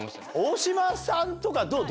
大島さんとかどう？